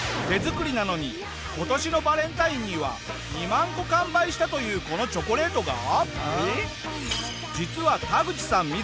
手作りなのに今年のバレンタインには２万個完売したというこのチョコレートが実はタグチさん